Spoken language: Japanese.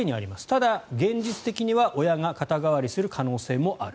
ただ現実的には親が肩代わりする可能性もある。